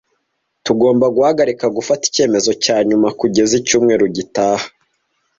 Tugomba guhagarika gufata icyemezo cya nyuma kugeza icyumweru gitaha.